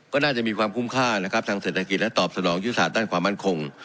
ก็น่าจะมีความคุ้มค่านะครับทางเศรษฐกิจและตอบสนองยุทธศาสตร์ด้านความมั่นคง